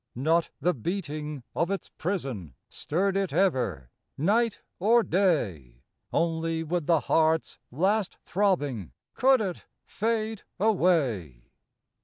Not the beating of its prison Stirred it ever, night or day; Only with the heart's last throbbing Could it fade away.